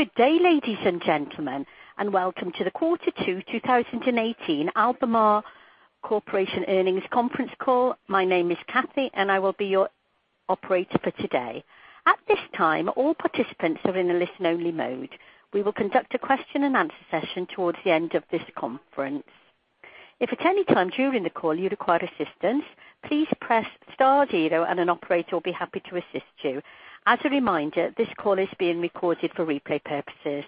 Good day, ladies and gentlemen, and welcome to the Q2 2018 Albemarle Corporation earnings conference call. My name is Kathy, and I will be your operator for today. At this time, all participants are in a listen-only mode. We will conduct a question-and-answer session towards the end of this conference. If at any time during the call you require assistance, please press star zero and an operator will be happy to assist you. As a reminder, this call is being recorded for replay purposes.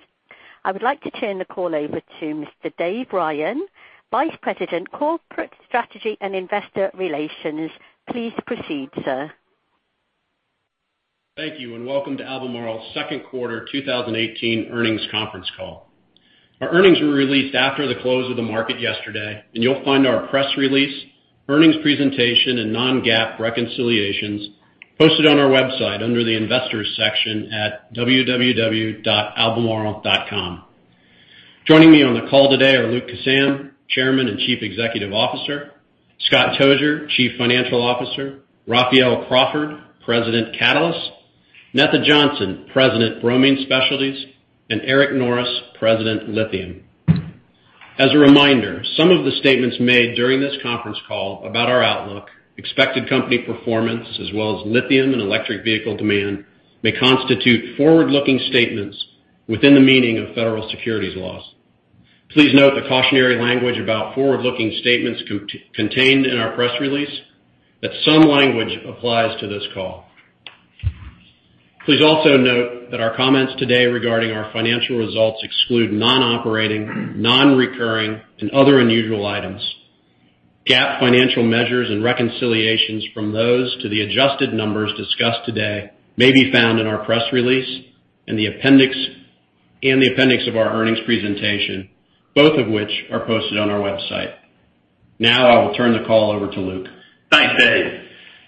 I would like to turn the call over to Mr. David Ryan, Vice President, Corporate Strategy and Investor Relations. Please proceed, sir. Thank you. Welcome to Albemarle's second quarter 2018 earnings conference call. Our earnings were released after the close of the market yesterday, and you'll find our press release, earnings presentation, and non-GAAP reconciliations posted on our website under the investors section at www.albemarle.com. Joining me on the call today are Luke Kissam, Chairman and Chief Executive Officer, Scott Tozier, Chief Financial Officer, Raphael Crawford, President, Catalysts, Netha Johnson, President, Bromine Specialties, and Eric Norris, President, Lithium. As a reminder, some of the statements made during this conference call about our outlook, expected company performance, as well as lithium and electric vehicle demand, may constitute forward-looking statements within the meaning of federal securities laws. Please note the cautionary language about forward-looking statements contained in our press release, that some language applies to this call. Please also note that our comments today regarding our financial results exclude non-operating, non-recurring, and other unusual items. GAAP financial measures and reconciliations from those to the adjusted numbers discussed today may be found in our press release and the appendix of our earnings presentation, both of which are posted on our website. I will turn the call over to Luke. Thanks, Dave.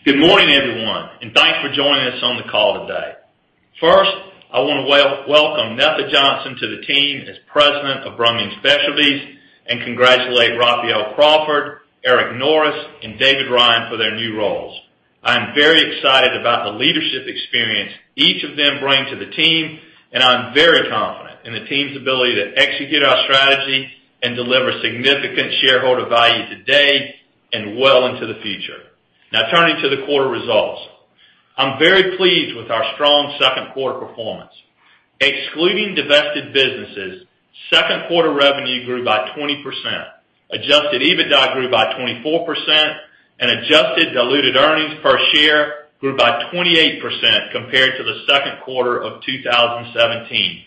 Good morning, everyone. Thanks for joining us on the call today. First, I want to welcome Netha Johnson to the team as President of Bromine Specialties, and congratulate Raphael Crawford, Eric Norris, and David Ryan for their new roles. I am very excited about the leadership experience each of them bring to the team, and I'm very confident in the team's ability to execute our strategy and deliver significant shareholder value today and well into the future. Turning to the quarter results. I'm very pleased with our strong second quarter performance. Excluding divested businesses, second quarter revenue grew by 20%, adjusted EBITDA grew by 24%, and adjusted diluted earnings per share grew by 28% compared to the second quarter of 2017.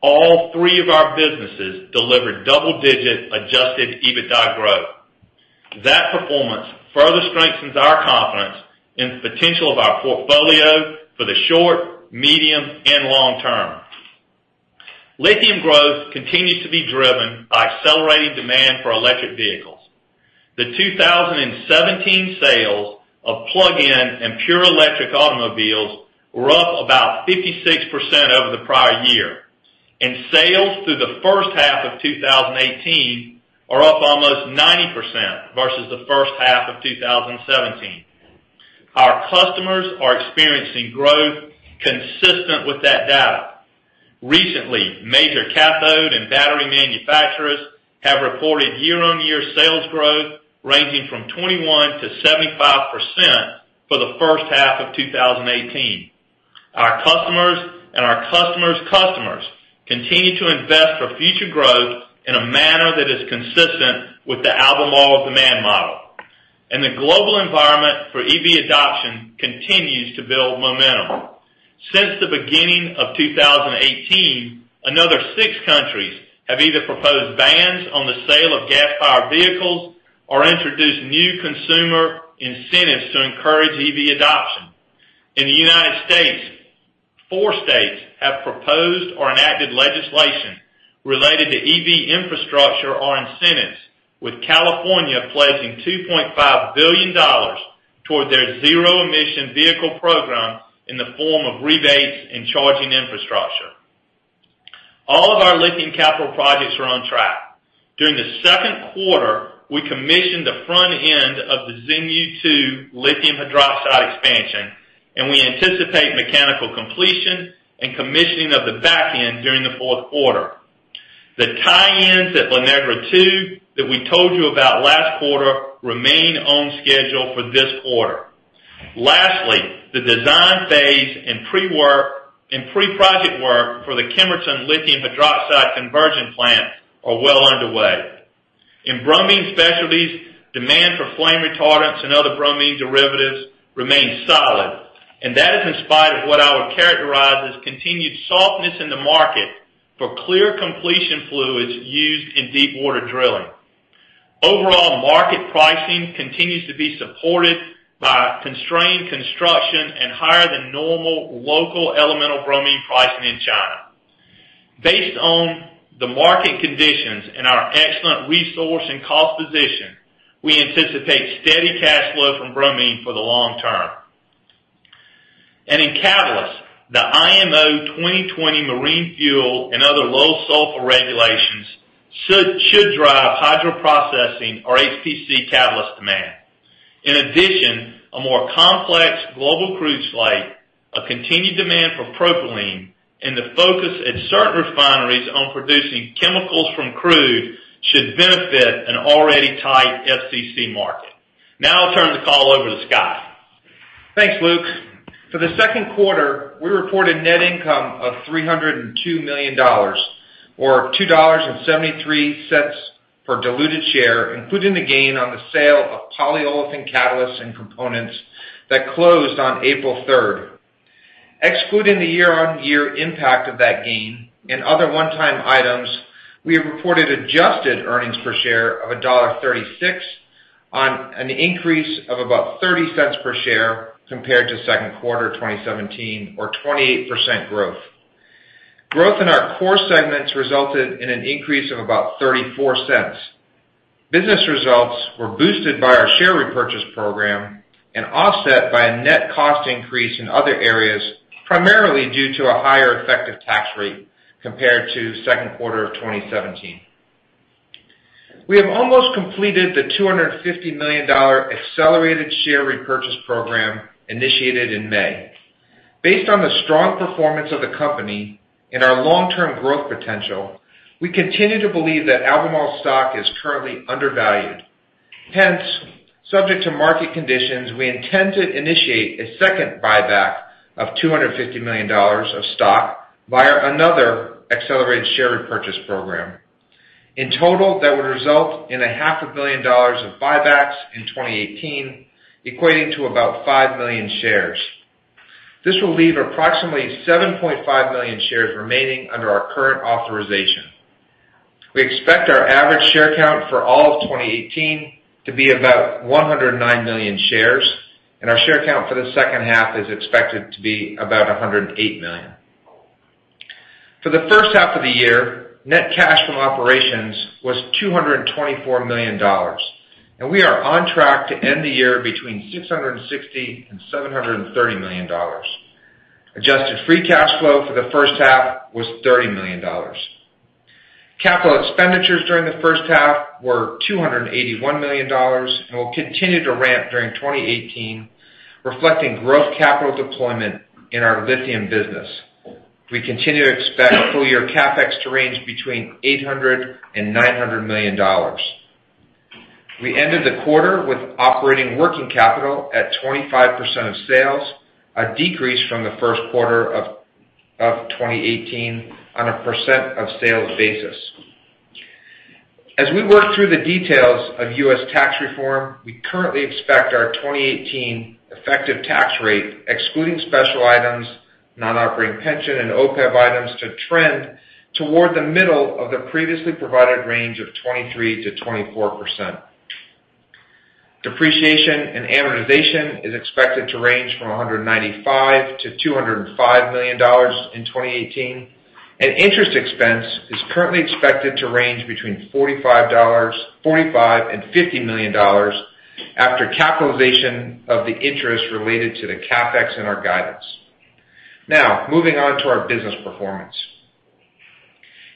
All three of our businesses delivered double-digit adjusted EBITDA growth. That performance further strengthens our confidence in the potential of our portfolio for the short, medium, and long term. Lithium growth continues to be driven by accelerating demand for electric vehicles. The 2017 sales of plug-in and pure electric automobiles were up about 56% over the prior year, and sales through the first half of 2018 are up almost 90% versus the first half of 2017. Our customers are experiencing growth consistent with that data. Recently, major cathode and battery manufacturers have reported year-on-year sales growth ranging from 21%-75% for the first half of 2018. Our customers and our customers' customers continue to invest for future growth in a manner that is consistent with the Albemarle demand model. The global environment for EV adoption continues to build momentum. Since the beginning of 2018, another six countries have either proposed bans on the sale of gas-powered vehicles or introduced new consumer incentives to encourage EV adoption. In the U.S., four states have proposed or enacted legislation related to EV infrastructure or incentives, with California pledging $2.5 billion toward their zero-emission vehicle program in the form of rebates and charging infrastructure. All of our lithium capital projects are on track. During the second quarter, we commissioned the front end of the Xinyu II lithium hydroxide expansion, and we anticipate mechanical completion and commissioning of the back end during the fourth quarter. The tie-ins at La Negra II that we told you about last quarter remain on schedule for this quarter. Lastly, the design phase and pre-work and pre-project work for the Kemerton lithium hydroxide conversion plant are well underway. In Bromine Specialties, demand for flame retardants and other bromine derivatives remains solid, and that is in spite of what I would characterize as continued softness in the market for clear completion fluids used in deepwater drilling. Overall market pricing continues to be supported by constrained construction and higher-than-normal local elemental bromine pricing in China. Based on the market conditions and our excellent resource and cost position, we anticipate steady cash flow from bromine for the long term. In catalysts, the IMO 2020 marine fuel and other low sulfur regulations should drive hydroprocessing or HPC catalyst demand. In addition, a more complex global crude slate, a continued demand for propylene, and the focus at certain refineries on producing chemicals from crude should benefit an already tight FCC market. Now I'll turn the call over to Scott. Thanks, Luke. For the second quarter, we reported net income of $302 million, or $2.73 per diluted share, including the gain on the sale of polyolefin catalysts and components that closed on April 3rd. Excluding the year-on-year impact of that gain and other one-time items, we have reported adjusted earnings per share of $1.36 on an increase of about $0.30 per share compared to second quarter 2017, or 28% growth. Growth in our core segments resulted in an increase of about $0.34. Business results were boosted by our share repurchase program and offset by a net cost increase in other areas, primarily due to a higher effective tax rate compared to second quarter of 2017. We have almost completed the $250 million accelerated share repurchase program initiated in May. Based on the strong performance of the company and our long-term growth potential, we continue to believe that Albemarle stock is currently undervalued. Hence, subject to market conditions, we intend to initiate a second buyback of $250 million of stock via another accelerated share repurchase program. In total, that would result in a half a billion dollars of buybacks in 2018, equating to about 5 million shares. This will leave approximately 7.5 million shares remaining under our current authorization. We expect our average share count for all of 2018 to be about 109 million shares, and our share count for the second half is expected to be about 108 million. For the first half of the year, net cash from operations was $224 million, and we are on track to end the year between $660 million and $730 million. Adjusted free cash flow for the first half was $30 million. Capital expenditures during the first half were $281 million and will continue to ramp during 2018, reflecting growth capital deployment in our lithium business. We continue to expect full year CapEx to range between $800 million and $900 million. We ended the quarter with operating working capital at 25% of sales, a decrease from the first quarter of 2018 on a percent of sales basis. As we work through the details of U.S. tax reform, we currently expect our 2018 effective tax rate, excluding special items, non-operating pension, and OPEB items to trend toward the middle of the previously provided range of 23%-24%. Depreciation and amortization is expected to range from $195 million to $205 million in 2018. Interest expense is currently expected to range between $45 million and $50 million after capitalization of the interest related to the CapEx in our guidance. Moving on to our business performance.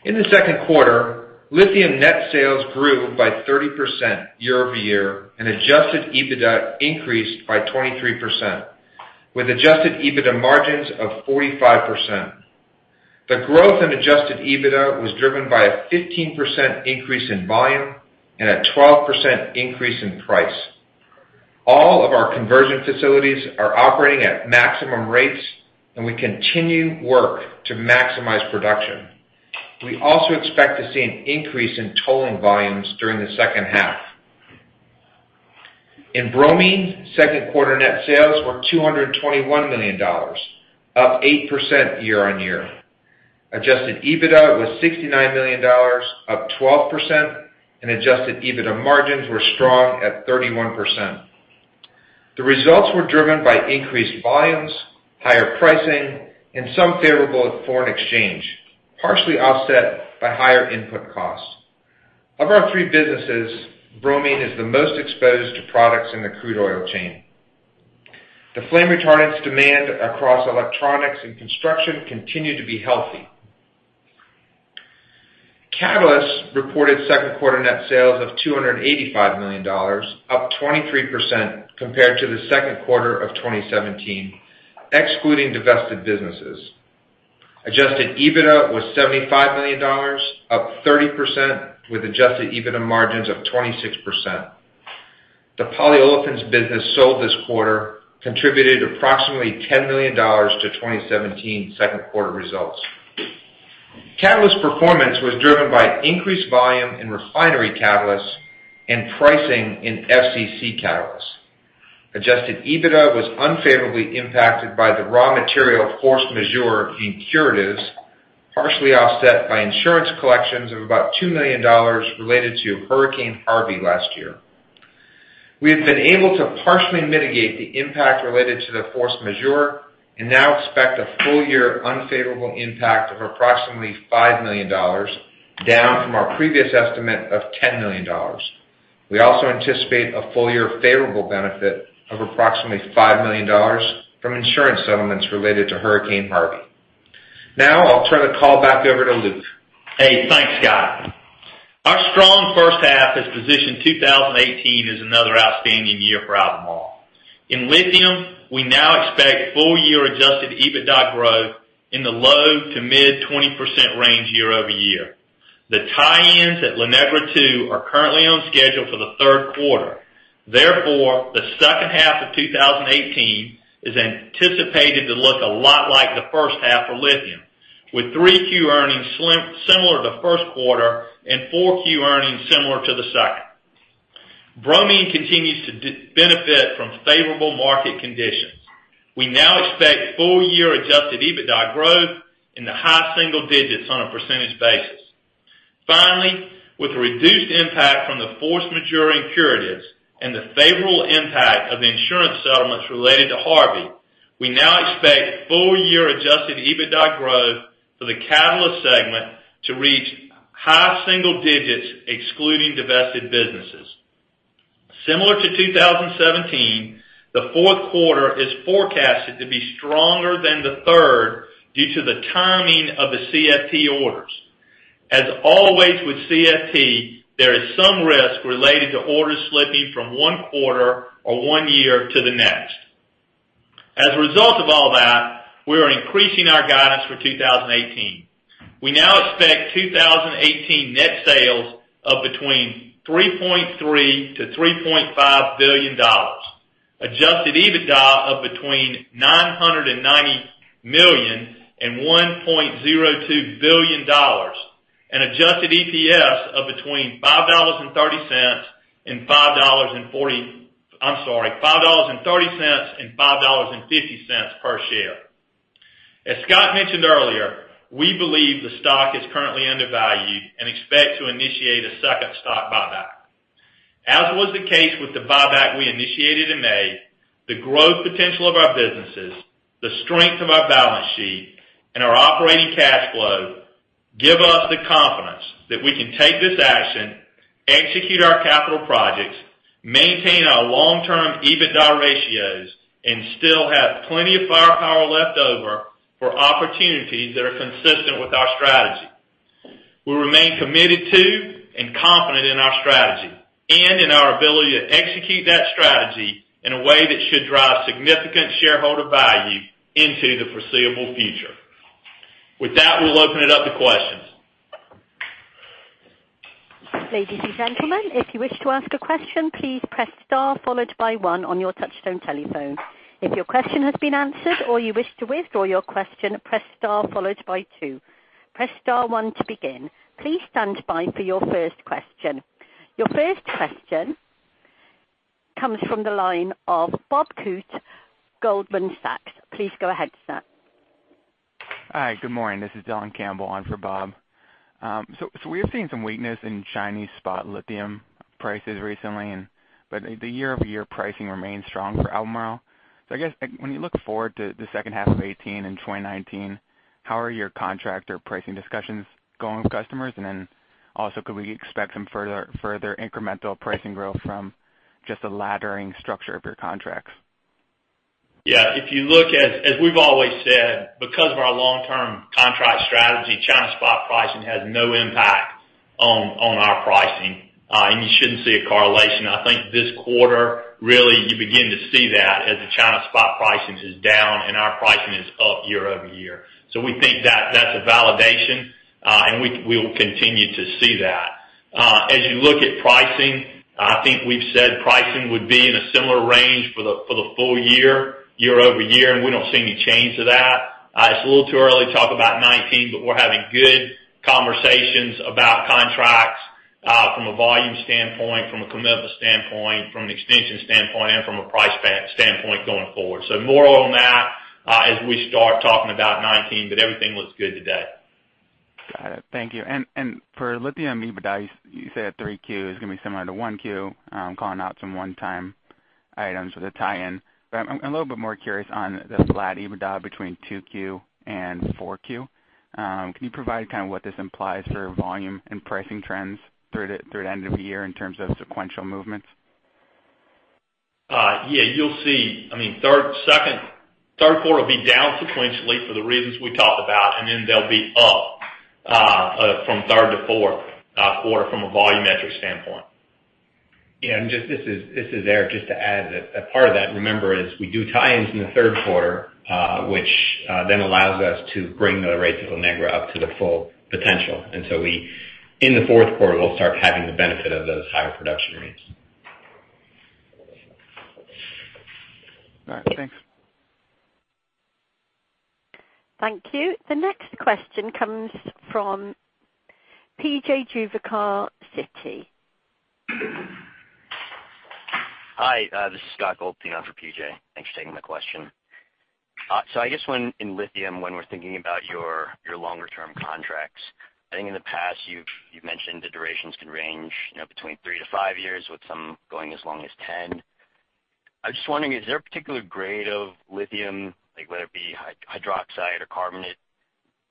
In the second quarter, lithium net sales grew by 30% year-over-year, and adjusted EBITDA increased by 23%, with adjusted EBITDA margins of 45%. The growth in adjusted EBITDA was driven by a 15% increase in volume and a 12% increase in price. All of our conversion facilities are operating at maximum rates, and we continue work to maximize production. We also expect to see an increase in tolling volumes during the second half. In Bromine, second quarter net sales were $221 million, up 8% year-on-year. Adjusted EBITDA was $69 million, up 12%, and adjusted EBITDA margins were strong at 31%. The results were driven by increased volumes, higher pricing, and some favorable foreign exchange, partially offset by higher input costs. Of our three businesses, Bromine is the most exposed to products in the crude oil chain. The flame retardants demand across electronics and construction continue to be healthy. Catalysts reported second quarter net sales of $285 million, up 23% compared to the second quarter of 2017, excluding divested businesses. Adjusted EBITDA was $75 million, up 30%, with adjusted EBITDA margins of 26%. The polyolefins business sold this quarter contributed approximately $10 million to 2017 second quarter results. Catalysts performance was driven by increased volume in refinery catalysts and pricing in FCC catalysts. Adjusted EBITDA was unfavorably impacted by the raw material force majeure in curatives, partially offset by insurance collections of about $2 million related to Hurricane Harvey last year. We have been able to partially mitigate the impact related to the force majeure and now expect a full year unfavorable impact of approximately $5 million, down from our previous estimate of $10 million. We also anticipate a full year favorable benefit of approximately $5 million from insurance settlements related to Hurricane Harvey. I'll turn the call back over to Luke. Thanks, Scott. Our strong first half has positioned 2018 as another outstanding year for Albemarle. In lithium, we now expect full year adjusted EBITDA growth in the low to mid 20% range year-over-year. The tie-ins at La Negra II are currently on schedule for the third quarter. Therefore, the second half of 2018 is anticipated to look a lot like the first half for lithium. With 3Q earnings similar to first quarter and 4Q earnings similar to the second. Bromine continues to benefit from favorable market conditions. We now expect full year adjusted EBITDA growth in the high single digits on a percentage basis. Finally, with the reduced impact from the force majeure and the favorable impact of insurance settlements related to Harvey, we now expect full year adjusted EBITDA growth for the Catalyst segment to reach high single digits, excluding divested businesses. Similar to 2017, the fourth quarter is forecasted to be stronger than the third due to the timing of the CFT orders. As always with CFT, there is some risk related to orders slipping from one quarter or one year to the next. As a result of all that, we are increasing our guidance for 2018. We now expect 2018 net sales of between $3.3 billion-$3.5 billion. Adjusted EBITDA of between $990 million and $1.02 billion, and adjusted EPS of between $5.30 and $5.50 per share. Scott mentioned earlier, we believe the stock is currently undervalued and expect to initiate a second stock buyback. As was the case with the buyback we initiated in May, the growth potential of our businesses, the strength of our balance sheet, and our operating cash flow, give us the confidence that we can take this action, execute our capital projects, maintain our long-term EBITDA ratios, and still have plenty of firepower left over for opportunities that are consistent with our strategy. We remain committed to and confident in our strategy and in our ability to execute that strategy in a way that should drive significant shareholder value into the foreseeable future. With that, we'll open it up to questions. Ladies and gentlemen, if you wish to ask a question, please press star followed by one on your touch-tone telephone. If your question has been answered or you wish to withdraw your question, press star followed by two. Press star one to begin. Please stand by for your first question. Your first question comes from the line of Bob Koort, Goldman Sachs. Please go ahead, sir. Hi, good morning. This is Dylan Campbell on for Bob. We have seen some weakness in Chinese spot lithium prices recently, but the year-over-year pricing remains strong for Albemarle. When you look forward to the second half of 2018 and 2019, how are your contractor pricing discussions going with customers? Could we expect some further incremental pricing growth from just the laddering structure of your contracts? If you look at, as we've always said, because of our long-term contract strategy, China spot pricing has no impact on our pricing. You shouldn't see a correlation. This quarter really you begin to see that as the China spot pricing is down and our pricing is up year-over-year. We think that's a validation, and we will continue to see that. We've said pricing would be in a similar range for the full year-over-year, and we don't see any change to that. It's a little too early to talk about 2019, but we're having good conversations about contracts, from a volume standpoint, from a commitment standpoint, from an extension standpoint, and from a price back standpoint going forward. More on that, as we start talking about 2019, but everything looks good today. Got it. Thank you. For lithium EBITDA, you said 3Q is going to be similar to 1Q, calling out some one-time items for the tie-in. I'm a little bit more curious on the flat EBITDA between 2Q and 4Q. Can you provide kind of what this implies for volume and pricing trends through the end of the year in terms of sequential movements? Yeah. You'll see, third quarter will be down sequentially for the reasons we talked about, and then they'll be up from third to fourth quarter from a volume metric standpoint. Yeah. This is Eric. Just to add that a part of that, remember, is we do tie-ins in the third quarter, which then allows us to bring the rates of La Negra up to the full potential. In the fourth quarter, we'll start having the benefit of those higher production rates. All right. Thanks. Thank you. The next question comes from P.J. Juvekar, Citi. Hi, this is Scott Goldstein on for P.J. Thanks for taking my question. I guess in lithium, when we're thinking about your longer term contracts, I think in the past you've mentioned the durations can range between three to five years, with some going as long as 10. I was just wondering, is there a particular grade of lithium, like whether it be hydroxide or carbonate,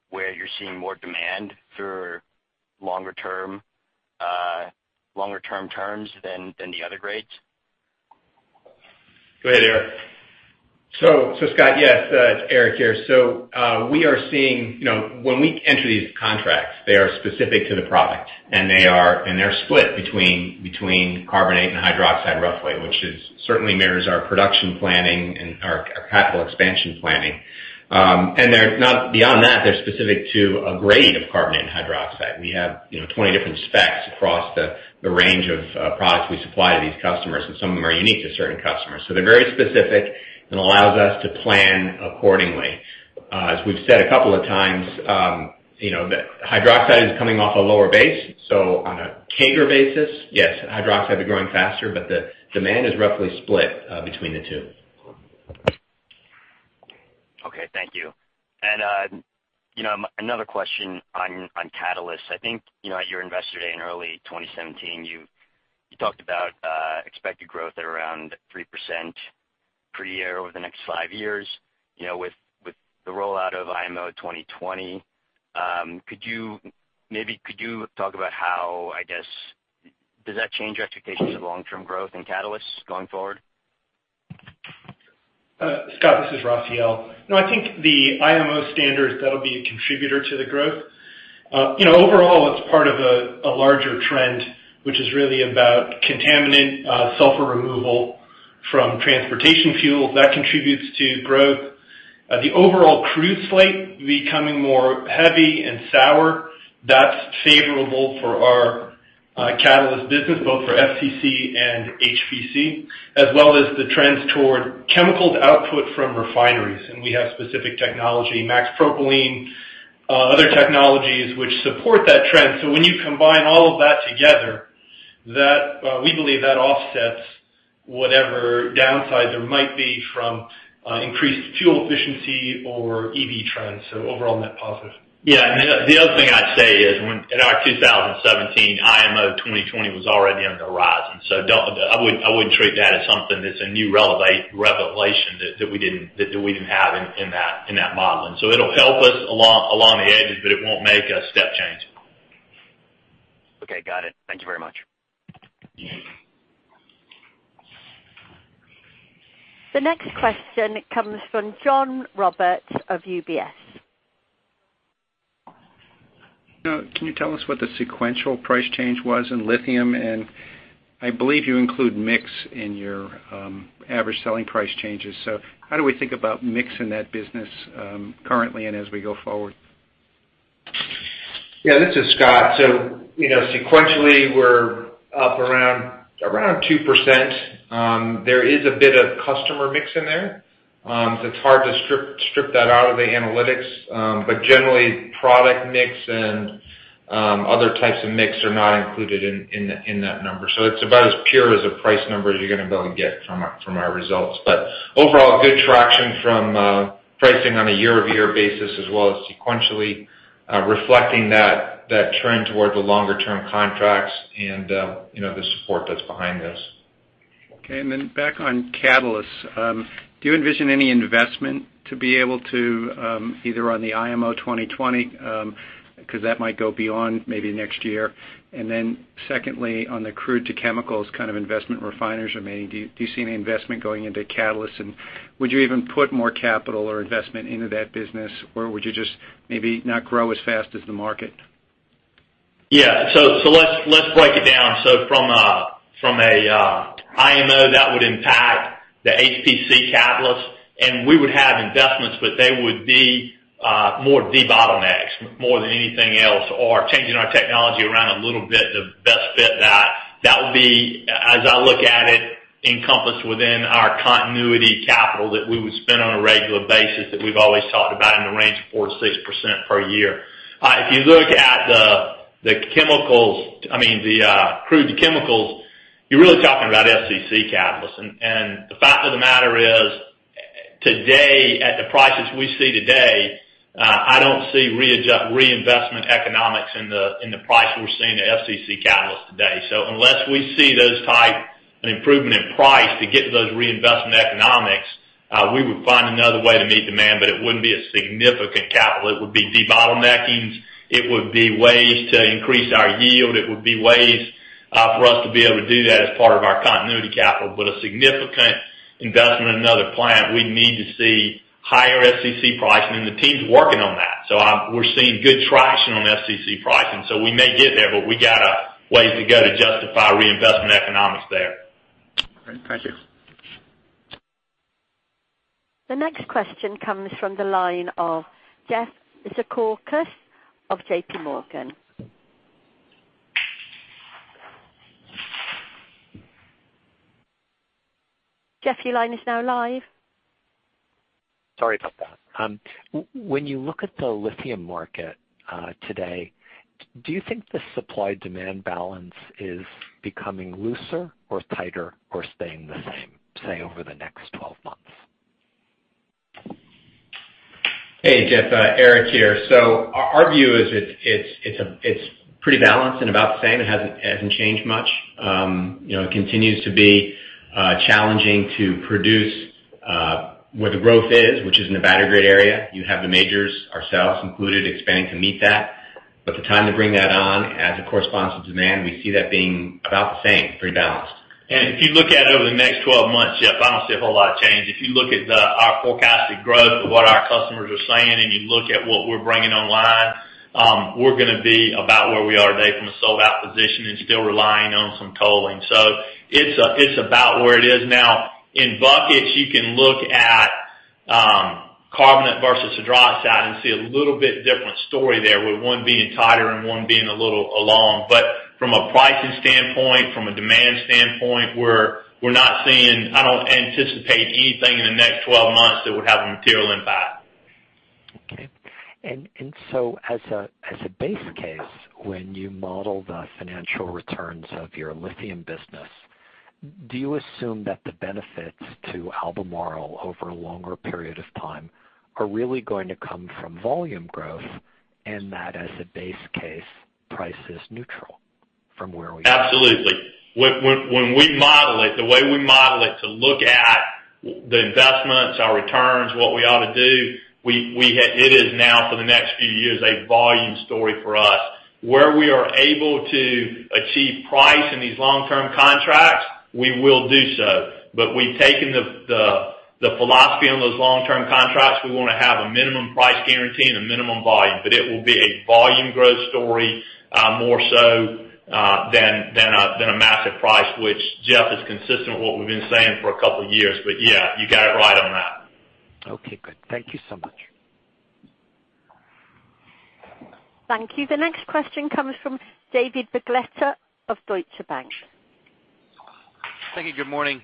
where you're seeing more demand for longer-term terms than the other grades? Go ahead, Eric. Scott, yes. It's Eric here. We are seeing, when we enter these contracts, they are specific to the product, and they're split between carbonate and hydroxide roughly, which certainly mirrors our production planning and our capital expansion planning. Beyond that, they're specific to a grade of carbonate and hydroxide. We have 20 different specs across the range of products we supply to these customers, and some of them are unique to certain customers. They're very specific, and allows us to plan accordingly. As we've said a couple of times, the hydroxide is coming off a lower base. On a CAGR basis, yes, hydroxide will be growing faster, but the demand is roughly split between the two. Okay. Thank you. Another question on catalysts. I think at your Investor Day in early 2017, you talked about expected growth at around 3% per year over the next five years. With the rollout of IMO 2020, maybe could you talk about how, I guess, does that change your expectations of long-term growth and catalysts going forward? Scott, this is Raphael. I think the IMO standards, that'll be a contributor to the growth. Overall, it's part of a larger trend, which is really about contaminant sulfur removal from transportation fuel. That contributes to growth. The overall crude slate becoming more heavy and sour. That's favorable for our catalyst business, both for FCC and HPC, as well as the trends toward chemicals output from refineries. We have specific technology, max propylene, other technologies which support that trend. When you combine all of that together, we believe that offsets whatever downside there might be from increased fuel efficiency or EV trends. Overall net positive. The other thing I'd say is when at our [2017 model, IMO 2020] was already on the horizon. I wouldn't treat that as something that's a new revelation that we didn't have in that modeling. It'll help us along the edges, but it won't make a step change. Okay, got it. Thank you very much. The next question comes from John Roberts of UBS. Can you tell us what the sequential price change was in lithium? I believe you include mix in your average selling price changes. How do we think about mix in that business currently and as we go forward? Yeah, this is Scott. Sequentially, we're up around 2%. There is a bit of customer mix in there. It's hard to strip that out of the analytics. Generally, product mix and other types of mix are not included in that number. It's about as pure as a price number as you're going to be able to get from our results. Overall, good traction from pricing on a year-over-year basis as well as sequentially reflecting that trend towards the longer term contracts and the support that's behind this. Okay, back on catalysts. Do you envision any investment to be able to either on the IMO 2020, because that might go beyond maybe next year. Secondly, on the crude to chemicals kind of investment refiners are making, do you see any investment going into catalysts? Would you even put more capital or investment into that business? Would you just maybe not grow as fast as the market? Yeah. Let's break it down. From a IMO, that would impact the HPC catalyst, we would have investments, but they would be more debottlenecks more than anything else, or changing our technology around a little bit to best fit that. That would be, as I look at it, encompassed within our continuity capital that we would spend on a regular basis that we've always talked about in the range of 4%-6% per year. If you look at the chemicals, I mean the crude to chemicals, you're really talking about FCC catalysts. The fact of the matter is, today, at the prices we see today, I don't see reinvestment economics in the price we're seeing to FCC catalysts today. Unless we see those type an improvement in price to get to those reinvestment economics, we would find another way to meet demand, but it wouldn't be a significant capital. It would be debottleneckings. It would be ways to increase our yield. It would be ways for us to be able to do that as part of our continuity capital. A significant investment in another plant, we'd need to see higher FCC pricing, and the team's working on that. We're seeing good traction on FCC pricing. We may get there, but we got a ways to go to justify reinvestment economics there. Great. Thank you. The next question comes from the line of Jeff Zekauskas of JPMorgan. Jeff, your line is now live. Sorry about that. When you look at the lithium market today, do you think the supply-demand balance is becoming looser or tighter or staying the same, say, over the next 12 months? Hey, Jeff, Eric here. Our view is it's pretty balanced and about the same. It hasn't changed much. It continues to be challenging to produce. Where the growth is, which is in the battery-grade area, you have the majors, ourselves included, expanding to meet that. The time to bring that on as it corresponds to demand, we see that being about the same, pretty balanced. If you look at it over the next 12 months, Jeff, I don't see a whole lot of change. If you look at our forecasted growth of what our customers are saying, and you look at what we're bringing online, we're going to be about where we are today from a sold-out position and still relying on some tolling. It's about where it is now. In buckets, you can look at carbonate versus hydroxide and see a little bit different story there with one being tighter and one being a little long. From a pricing standpoint, from a demand standpoint, I don't anticipate anything in the next 12 months that would have a material impact. Okay. As a base case, when you model the financial returns of your lithium business, do you assume that the benefits to Albemarle over a longer period of time are really going to come from volume growth and that as a base case, price is neutral from where we are? Absolutely. When we model it, the way we model it to look at the investments, our returns, what we ought to do, it is now for the next few years, a volume story for us. Where we are able to achieve price in these long-term contracts, we will do so. We've taken the philosophy on those long-term contracts. We want to have a minimum price guarantee and a minimum volume, but it will be a volume growth story, more so than a massive price, which, Jeff, is consistent with what we've been saying for a couple of years. Yeah, you got it right on that. Okay, good. Thank you so much. Thank you. The next question comes from David Begleiter of Deutsche Bank. Thank you. Good morning.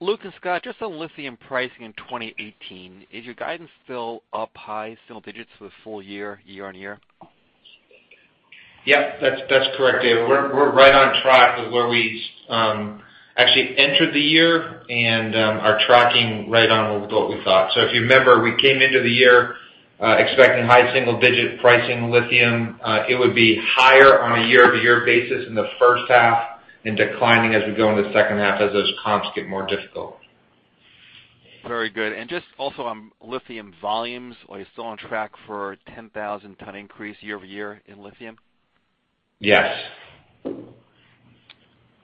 Luke and Scott, just on lithium pricing in 2018, is your guidance still up high single digits for the full year-on-year? Yep, that's correct, David. We're right on track with where we actually entered the year and are tracking right on with what we thought. If you remember, we came into the year expecting high single-digit pricing lithium. It would be higher on a year-over-year basis in the first half and declining as we go into the second half as those comps get more difficult. Very good. Just also on lithium volumes, are you still on track for a 10,000-tonne increase year-over-year in lithium? Yes.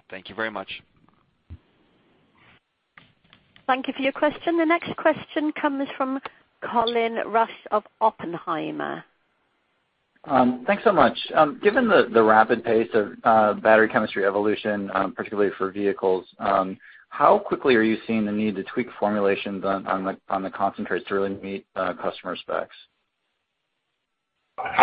Thank you very much. Thank you for your question. The next question comes from Colin Rusch of Oppenheimer. Thanks so much. Given the rapid pace of battery chemistry evolution, particularly for vehicles, how quickly are you seeing the need to tweak formulations on the concentrates to really meet customer specs? This is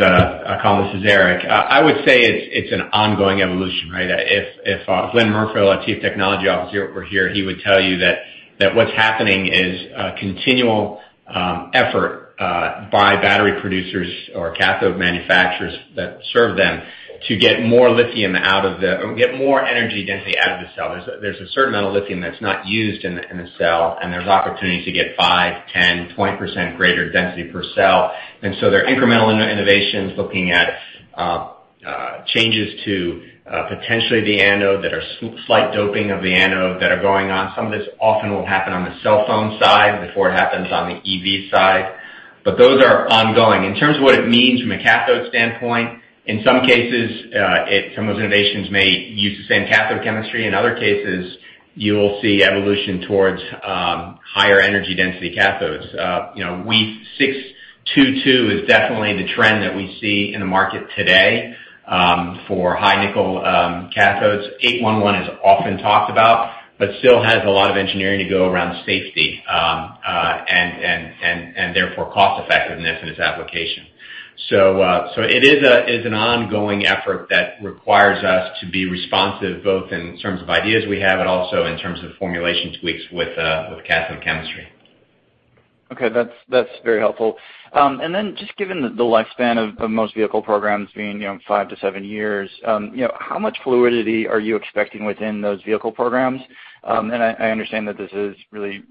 Colin. This is Eric. I would say it's an ongoing evolution, right? If Glen Merfeld, our Chief Technology Officer, were here, he would tell you that what's happening is a continual effort by battery producers or cathode manufacturers that serve them to get more energy density out of the cell. There's a certain amount of lithium that's not used in the cell, and there's opportunity to get five, 10, 20% greater density per cell. There are incremental innovations looking at changes to potentially the anode that are slight doping of the anode that are going on. Some of this often will happen on the cell phone side before it happens on the EV side, but those are ongoing. In terms of what it means from a cathode standpoint, in some cases, some of those innovations may use the same cathode chemistry. In other cases, you'll see evolution towards higher energy density cathodes. 622 is definitely the trend that we see in the market today for high nickel cathodes. 811 is often talked about, but still has a lot of engineering to go around safety, and therefore cost effectiveness in its application. It is an ongoing effort that requires us to be responsive, both in terms of ideas we have, and also in terms of formulation tweaks with cathode chemistry. Okay. That's very helpful. Just given the lifespan of most vehicle programs being five to seven years, how much fluidity are you expecting within those vehicle programs? I understand that this is really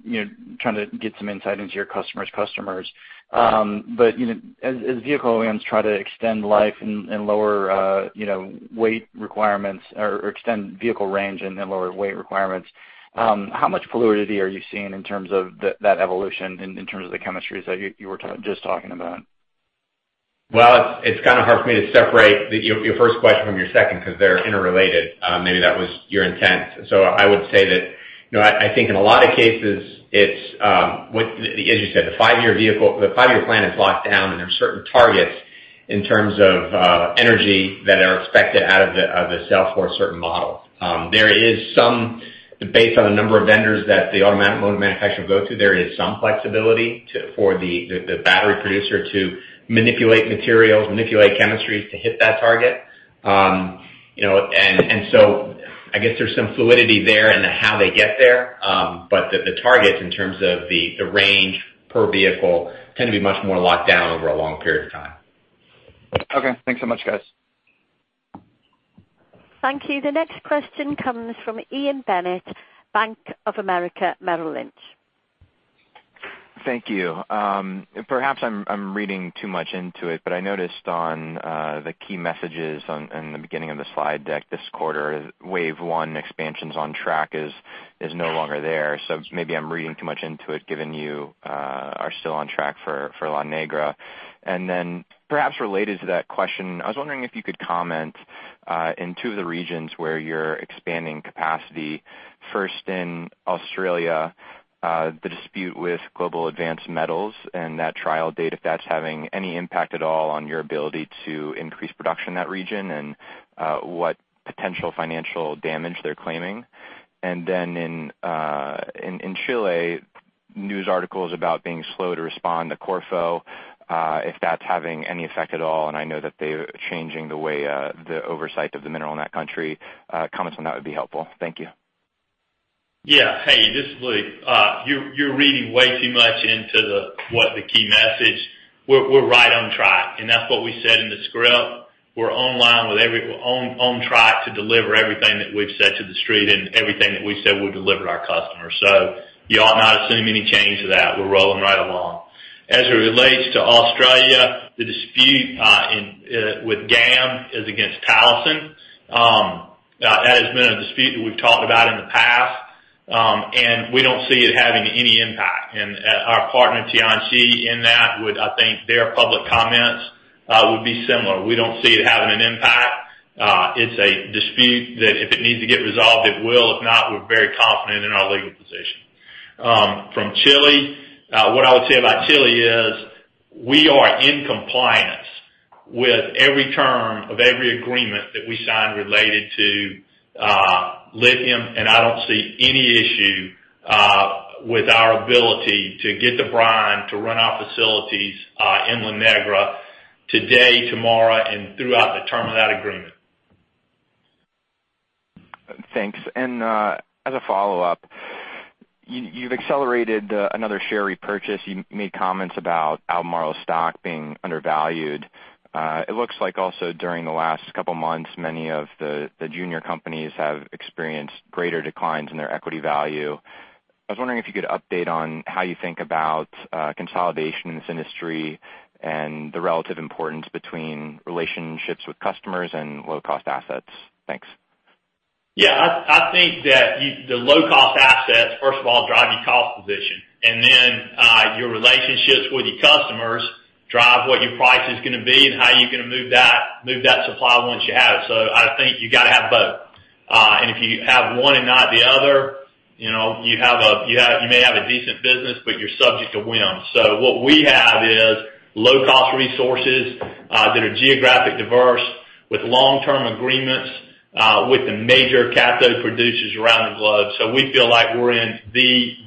trying to get some insight into your customer's customers. As vehicle OEMs try to extend life and lower weight requirements or extend vehicle range and lower weight requirements, how much fluidity are you seeing in terms of that evolution in terms of the chemistries that you were just talking about? It's kind of hard for me to separate your first question from your second because they're interrelated. Maybe that was your intent. I would say that I think in a lot of cases, as you said, the five-year plan is locked down and there are certain targets in terms of energy that are expected out of the cell for a certain model. Based on the number of vendors that the automotive motor manufacturers go to, there is some flexibility for the battery producer to manipulate materials, manipulate chemistries to hit that target. I guess there's some fluidity there in how they get there. The targets in terms of the range per vehicle tend to be much more locked down over a long period of time. Okay. Thanks so much, guys. Thank you. The next question comes from Ian Bennett, Bank of America, Merrill Lynch. Thank you. Perhaps I'm reading too much into it, I noticed on the key messages in the beginning of the slide deck this quarter, wave one expansions on track is no longer there. Maybe I'm reading too much into it, given you are still on track for La Negra. Perhaps related to that question, I was wondering if you could comment in two of the regions where you're expanding capacity. First in Australia, the dispute with Global Advanced Metals and that trial date, if that's having any impact at all on your ability to increase production in that region, and what potential financial damage they're claiming. In Chile, news articles about being slow to respond to CORFO, if that's having any effect at all, and I know that they're changing the way the oversight of the mineral in that country. Comments on that would be helpful. Thank you. Yeah. Hey, this is Luke. You're reading way too much into what the key message. We're right on track, and that's what we said in the script. We're on track to deliver everything that we've said to the street and everything that we've said we'll deliver to our customers. You ought not assume any change to that. We're rolling right along. As it relates to Australia, the dispute with GAM is against Talison. That has been a dispute that we've talked about in the past, and we don't see it having any impact. Our partner, Tianqi, in that would, I think their public comments would be similar. We don't see it having an impact. It's a dispute that if it needs to get resolved, it will. If not, we're very confident in our legal position. From Chile, what I would say about Chile is we are in compliance with every term of every agreement that we sign related to lithium, and I don't see any issue with our ability to get the brine to run our facilities in La Negra today, tomorrow, and throughout the term of that agreement. Thanks. As a follow-up, you've accelerated another share repurchase. You made comments about Albemarle stock being undervalued. It looks like also during the last couple of months, many of the junior companies have experienced greater declines in their equity value. I was wondering if you could update on how you think about consolidation in this industry and the relative importance between relationships with customers and low-cost assets. Thanks. I think that the low-cost assets, first of all, drive your cost position, and then your relationships with your customers drive what your price is going to be and how you're going to move that supply once you have it. I think you got to have both. If you have one and not the other, you may have a decent business, but you're subject to whim. What we have is low-cost resources that are geographic diverse with long-term agreements with the major cathode producers around the globe. We feel like we're in the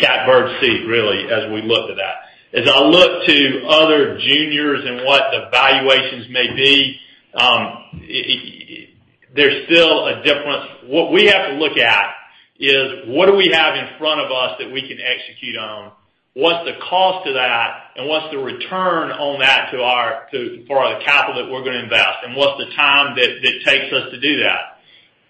catbird seat, really, as we look to that. As I look to other juniors and what the valuations may be, there's still a difference. What we have to look at is what do we have in front of us that we can execute on? What's the cost of that, and what's the return on that for our capital that we're going to invest? What's the time that it takes us to do that?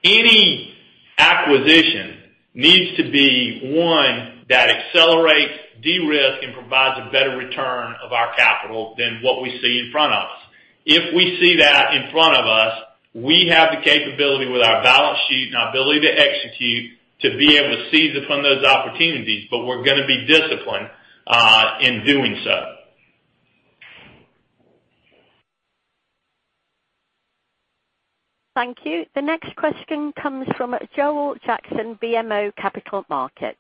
Any acquisition needs to be one that accelerates, de-risk, and provides a better return of our capital than what we see in front of us. If we see that in front of us, we have the capability with our balance sheet and our ability to execute, to be able to seize upon those opportunities, but we're going to be disciplined in doing so. Thank you. The next question comes from Joel Jackson, BMO Capital Markets.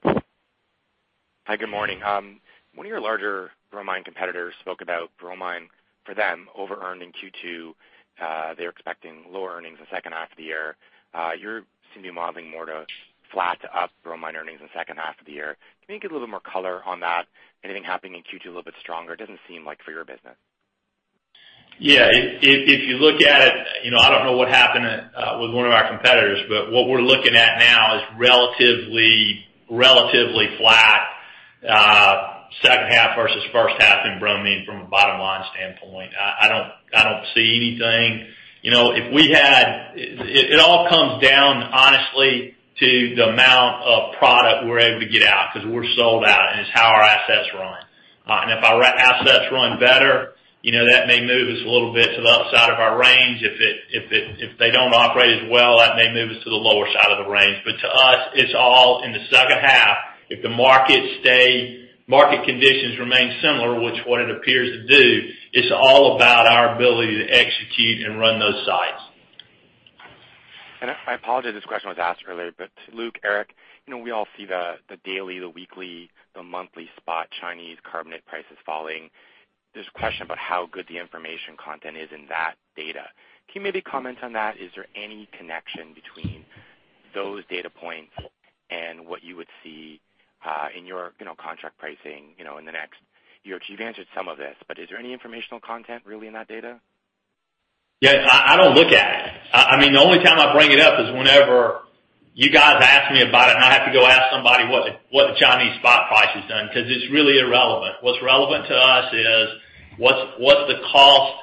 Hi, good morning. One of your larger bromine competitors spoke about bromine for them over-earned in Q2. They're expecting lower earnings in the second half of the year. You seem to be modeling more to flat to up bromine earnings in the second half of the year. Can you give a little more color on that? Anything happening in Q2 a little bit stronger? It doesn't seem like for your business. Yeah. If you look at it, I don't know what happened with one of our competitors, but what we're looking at now is relatively flat second half versus first half in bromine from a bottom-line standpoint. I don't see anything. It all comes down, honestly, to the amount of product we're able to get out because we're sold out, and it's how our assets run. If our assets run better, that may move us a little bit to the upside of our range. If they don't operate as well, that may move us to the lower side of the range. To us, it's all in the second half. If the market conditions remain similar, which what it appears to do, it's all about our ability to execute and run those sites. I apologize, this question was asked earlier, but Luke, Eric, we all see the daily, the weekly, the monthly spot Chinese carbonate prices falling. There's a question about how good the information content is in that data. Can you maybe comment on that? Is there any connection between those data points and what you would see in your contract pricing in the next year? You've answered some of this, but is there any informational content really in that data? Yes. I don't look at it. The only time I bring it up is whenever you guys ask me about it and I have to go ask somebody what the Chinese spot price has done, because it's really irrelevant. What's relevant to us is what's the cost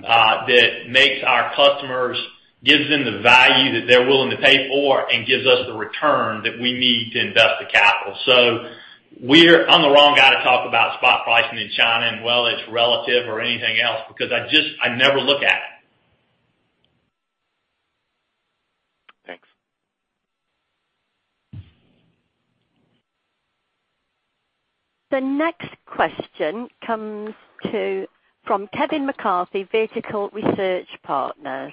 that makes our customers, gives them the value that they're willing to pay for and gives us the return that we need to invest the capital. I'm the wrong guy to talk about spot pricing in China and whether it's relative or anything else, because I never look at it. Thanks. The next question comes from Kevin McCarthy, Vertical Research Partners.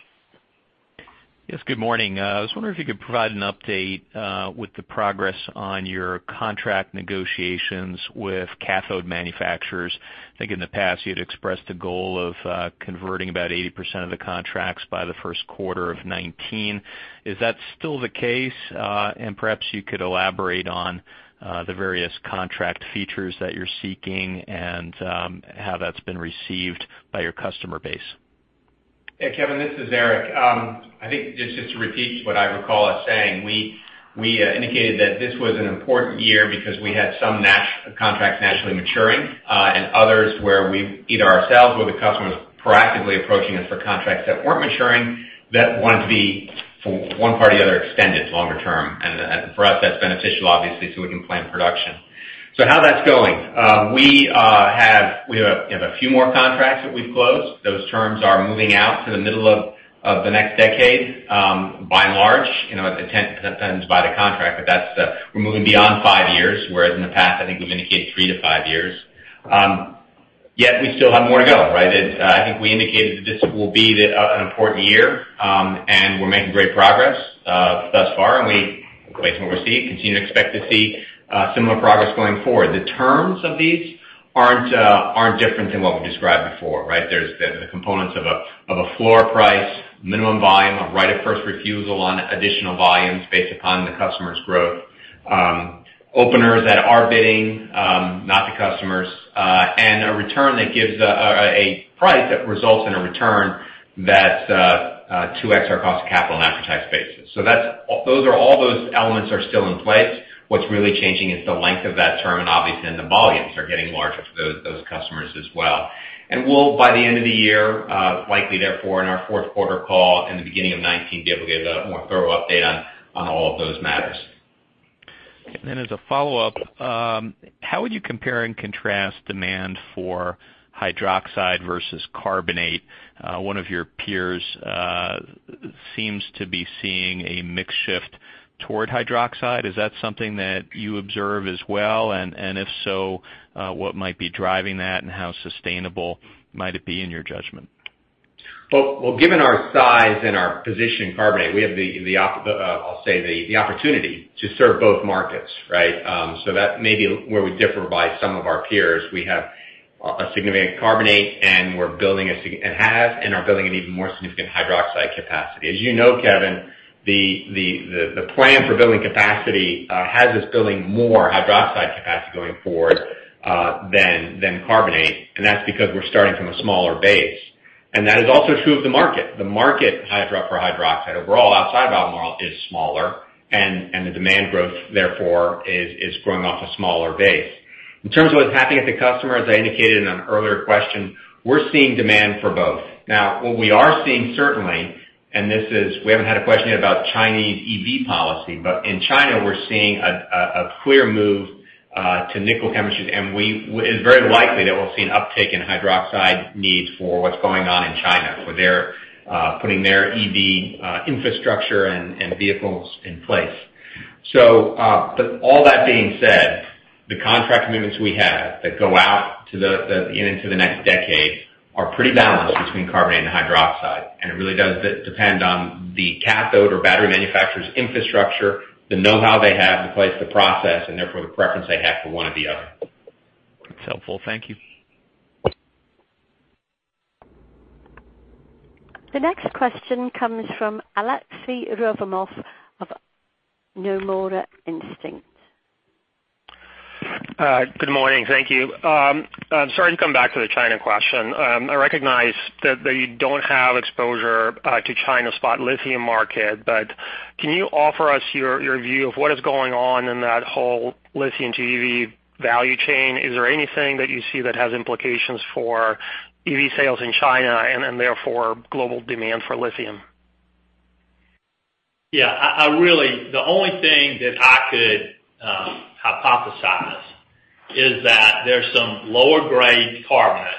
Yes, good morning. I was wondering if you could provide an update with the progress on your contract negotiations with cathode manufacturers. I think in the past, you'd expressed a goal of converting about 80% of the contracts by the first quarter of 2019. Is that still the case? Perhaps you could elaborate on the various contract features that you're seeking and how that's been received by your customer base. Yeah, Kevin, this is Eric. I think just to repeat what I recall us saying, we indicated that this was an important year because we had some contracts naturally maturing, and others where we, either ourselves or the customers proactively approaching us for contracts that weren't maturing that wanted to be, for one party or the other, extended longer term. For us, that's beneficial obviously, so we can plan production. How that's going? We have a few more contracts that we've closed. Those terms are moving out to the middle of the next decade, by and large. It depends by the contract, but we're moving beyond five years, whereas in the past, I think we've indicated three to five years. Yet we still have more to go, right? I think we indicated that this will be an important year, and we're making great progress thus far, and we, based on what we see, continue to expect to see similar progress going forward. The terms of these aren't different than what we described before, right? There's the components of a floor price, minimum volume, a right of first refusal on additional volumes based upon the customer's growth. Openers that are bidding, not the customers, and a price that results in a return that's 2X our cost of capital on an after-tax basis. All those elements are still in place. What's really changing is the length of that term, and obviously then the volumes are getting larger for those customers as well. We'll, by the end of the year, likely therefore in our fourth quarter call in the beginning of 2019, be able to give a more thorough update on all of those matters. Okay. As a follow-up, how would you compare and contrast demand for hydroxide versus carbonate? One of your peers seems to be seeing a mix shift toward hydroxide. Is that something that you observe as well? If so, what might be driving that, and how sustainable might it be in your judgment? Well, given our size and our position in carbonate, we have the, I'll say, the opportunity to serve both markets, right? That may be where we differ by some of our peers. We have a significant carbonate and are building an even more significant hydroxide capacity. As you know, Kevin, the plan for building capacity has us building more hydroxide capacity going forward than carbonate, and that's because we're starting from a smaller base. That is also true of the market. The market for hydroxide overall, outside of Albemarle, is smaller, and the demand growth, therefore, is growing off a smaller base. In terms of what's happening at the customer, as I indicated in an earlier question, we're seeing demand for both. What we are seeing, certainly, and we haven't had a question yet about Chinese EV policy, but in China, we're seeing a clear move to nickel chemistry. It's very likely that we'll see an uptick in hydroxide need for what's going on in China, where they're putting their EV infrastructure and vehicles in place. All that being said, the contract movements we have that go out into the next decade are pretty balanced between carbonate and hydroxide. It really does depend on the cathode or battery manufacturer's infrastructure, the know-how they have in place to process, and therefore the preference they have for one or the other. That's helpful. Thank you. The next question comes from Aleksey Yefremov of Nomura Instinet. Good morning. Thank you. I'm sorry to come back to the China question. I recognize that you don't have exposure to China spot lithium market, can you offer us your view of what is going on in that whole lithium EV value chain? Is there anything that you see that has implications for EV sales in China and therefore global demand for lithium? Yeah. The only thing that I could hypothesize is that there's some lower grade carbonate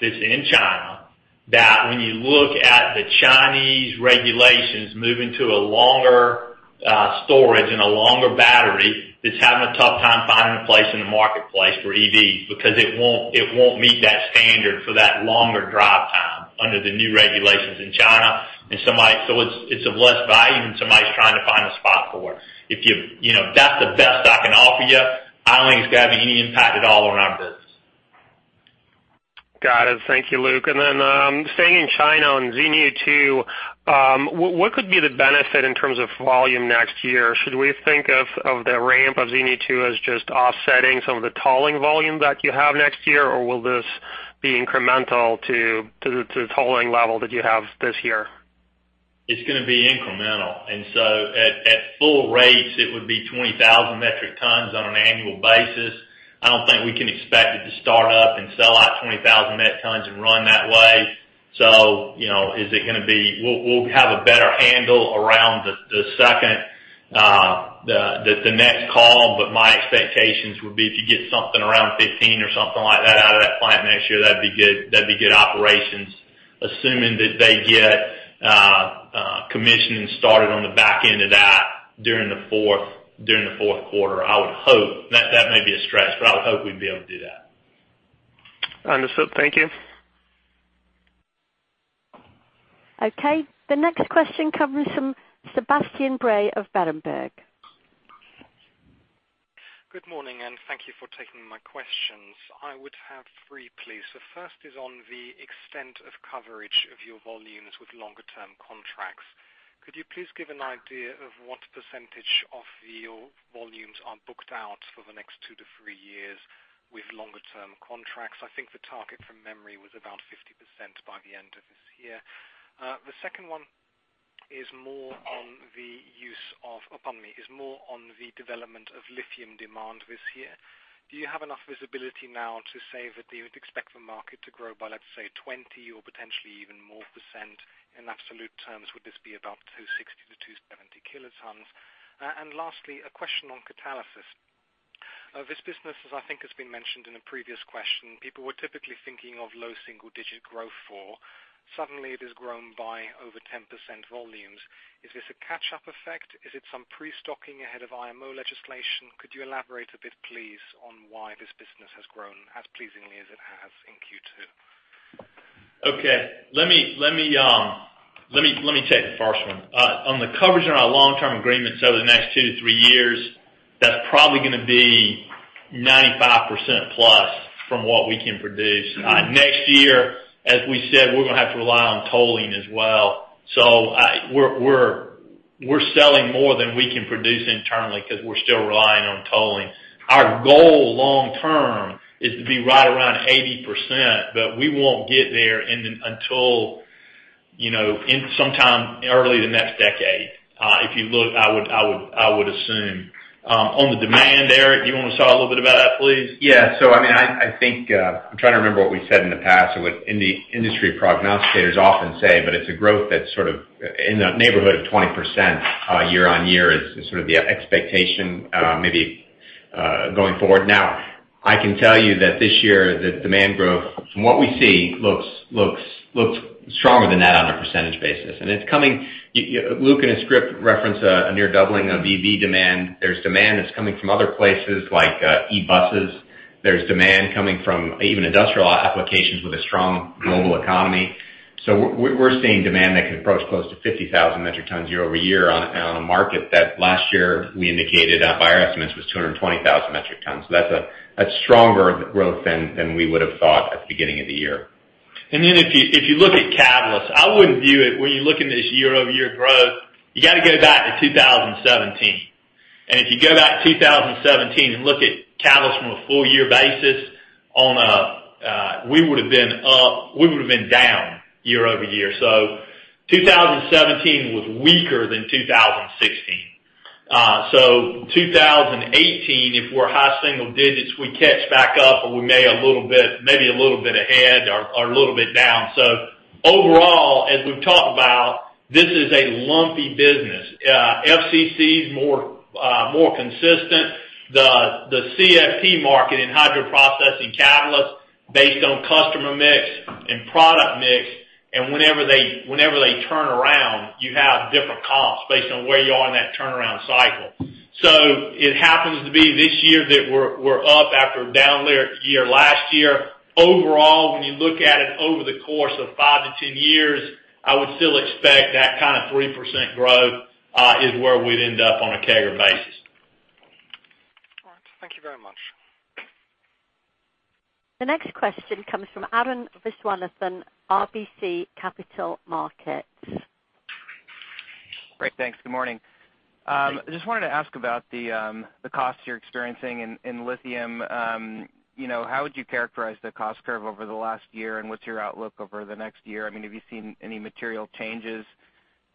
that's in China, that when you look at the Chinese regulations moving to a longer storage and a longer battery, that's having a tough time finding a place in the marketplace for EVs because it won't meet that standard for that longer drive time under the new regulations in China. It's of less value, and somebody's trying to find a spot for it. That's the best I can offer you. I don't think it's going to have any impact at all on our business. Got it. Thank you, Luke. Staying in China on Xinyu II, what could be the benefit in terms of volume next year? Should we think of the ramp of Xinyu II as just offsetting some of the tolling volume that you have next year, or will this be incremental to the tolling level that you have this year? It's going to be incremental. At full rates, it would be 20,000 metric tons on an annual basis. I don't think we can expect it to start up and sell out 20,000 metric tons and run that way. We'll have a better handle around the next call, but my expectations would be if you get something around 15 or something like that out of that plant next year, that'd be good operations. Assuming that they get commissioning started on the back end of that during the fourth quarter. That may be a stretch, but I would hope we'd be able to do that. Understood. Thank you. The next question comes from Sebastian Bray of Berenberg. Good morning, thank you for taking my questions. I would have three, please. The first is on the extent of coverage of your volumes with longer term contracts. Could you please give an idea of what percentage of your volumes are booked out for the next two to three years with longer term contracts? I think the target from memory was about 50% by the end of this year. The second one is more on the development of lithium demand this year. Do you have enough visibility now to say that you would expect the market to grow by, let's say, 20% or potentially even more percent in absolute terms? Would this be about 260 to 270 kilotons? Lastly, a question on catalysis. This business, as I think has been mentioned in a previous question, people were typically thinking of low single digit growth for. Suddenly it has grown by over 10% volumes. Is this a catch-up effect? Is it some pre-stocking ahead of IMO legislation? Could you elaborate a bit, please, on why this business has grown as pleasingly as it has in Q2? Okay. Let me take the first one. On the coverage on our long-term agreements over the next two to three years, that's probably going to be 95% plus from what we can produce. Next year, as we said, we're going to have to rely on tolling as well. We're selling more than we can produce internally because we're still relying on tolling. Our goal long term is to be right around 80%, but we won't get there until sometime early the next decade, if you look, I would assume. On the demand, Eric, you want to talk a little bit about that, please? Yeah. I'm trying to remember what we said in the past or what industry prognosticators often say, but it's a growth that's in the neighborhood of 20% year-over-year is sort of the expectation maybe going forward. Now, I can tell you that this year, the demand growth from what we see looks stronger than that on a percentage basis. Luke, in his script, referenced a near doubling of EV demand. There's demand that's coming from other places like e-buses. There's demand coming from even industrial applications with a strong global economy. We're seeing demand that can approach close to 50,000 metric tons year-over-year on a market that last year we indicated by our estimates was 220,000 metric tons. That's a stronger growth than we would have thought at the beginning of the year. If you look at catalysts, I wouldn't view it when you're looking at this year-over-year growth, you got to go back to 2017. If you go back to 2017 and look at catalysts from a full year basis, we would've been down year-over-year. 2017 was weaker than 2016. 2018, if we're high single digits, we catch back up, or we may be a little bit ahead or a little bit down. Overall, as we've talked about, this is a lumpy business. FCC is more consistent. The CFP market in hydroprocessing catalysts based on customer mix and product mix, and whenever they turn around, you have different comps based on where you are in that turnaround cycle. It happens to be this year that we're up after a down year last year. Overall, when you look at it over the course of five to 10 years, I would still expect that kind of 3% growth is where we'd end up on a CAGR basis. All right. Thank you very much. The next question comes from Arun Viswanathan, RBC Capital Markets. Great. Thanks. Good morning. Good morning. Just wanted to ask about the costs you're experiencing in lithium. How would you characterize the cost curve over the last year, and what's your outlook over the next year? Have you seen any material changes